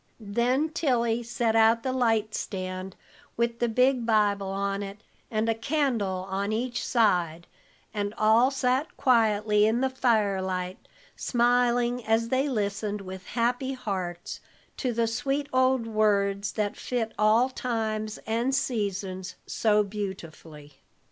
Then Tilly set out the light stand with the big Bible on it, and a candle on each side, and all sat quietly in the fire light, smiling as they listened with happy hearts to the sweet old words that fit all times and seasons so beautifully.